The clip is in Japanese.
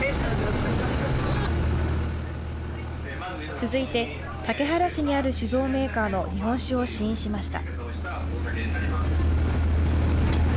続いて竹原市にある酒造メーカーの日本酒を試飲しました。